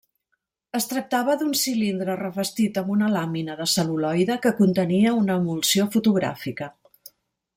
Es tractava d'un cilindre revestit amb una làmina de cel·luloide que contenia una emulsió fotogràfica.